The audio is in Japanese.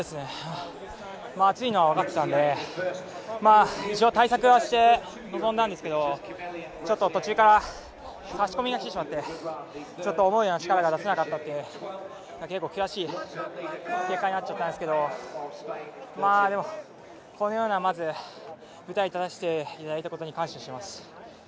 暑いのは分かってたんで、対策をして臨んだんですけどちょっと途中から差し込みがきてしまって思うような力が出せなかったので悔しい結果になってしまったんですけどでも、このような舞台で走らせていただいたことに感謝します。